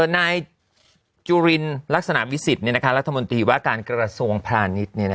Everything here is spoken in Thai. นายจุลินลักษณะวิสิทธิ์รัฐมนตรีว่าการกระทรวงพาณิชย์